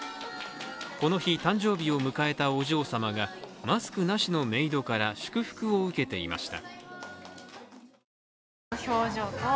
この日誕生日を迎えたお嬢様がマスクなしのメイドから祝福を受けていました。